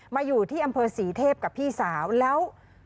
มาอยู่ที่อำเภอศรีเทพกับพี่สาวแล้ว